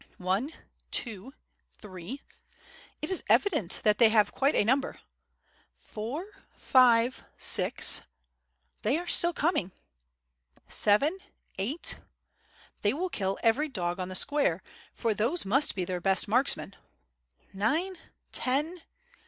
"One, two, three .... it is evident that they have quite a number .... four, five, six .... they are still coming .... seven, eight .... they will kill every dog on the square, for thoce must be their best marksmen .... nine, ten